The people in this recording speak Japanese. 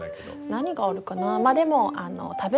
何があるかな？